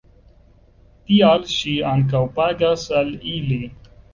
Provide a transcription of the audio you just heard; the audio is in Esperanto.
Tial ŝi ankaŭ pagas al ili.